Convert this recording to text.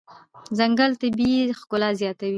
ځنګل طبیعي ښکلا زیاتوي.